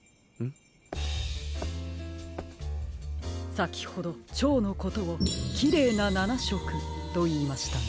さきほどチョウのことを「きれいな７しょく」といいましたね。